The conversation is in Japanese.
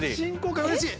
うれしい！